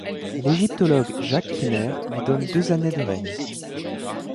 L'égyptologue Jacques Kinnaer lui donne deux années de règne.